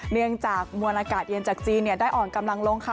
เนื่องจากมวลอากาศเย็นจากจีนได้อ่อนกำลังลงค่ะ